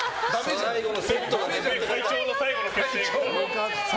会長の最後の決定が。